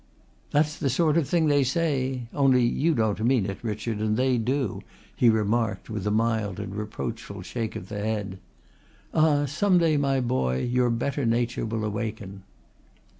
"That's the sort of thing they say. Only you don't mean it, Richard, and they do," he remarked with a mild and reproachful shake of the head. "Ah, some day, my boy, your better nature will awaken."